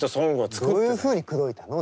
どういうふうに口説いたの？